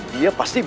dia pasti berhenti